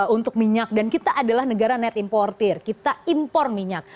untuk minyak dan kita adalah negara net importer kita impor minyak